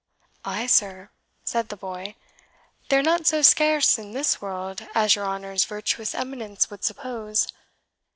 "Ay, sir," said the boy; "they are not so scarce in this world as your honour's virtuous eminence would suppose.